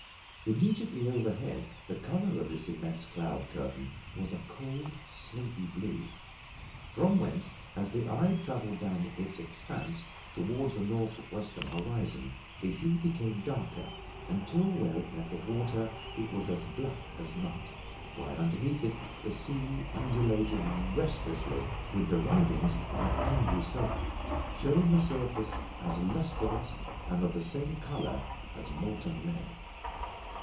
Immediately overhead the colour of this immense cloud curtain was a cold, slaty blue, from whence, as the eye travelled down its expanse toward the north western horizon, the hue became darker until where it met the water it was as black as night; while, underneath it, the sea undulated restlessly, with the writhings of an angry serpent, showing a surface as lustreless and of the same colour as molten lead.